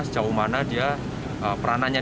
sejauh mana dia perananya